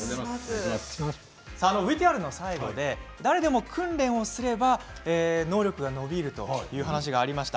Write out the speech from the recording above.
ＶＴＲの最後で誰でも訓練すれば能力が伸びるという話がありました。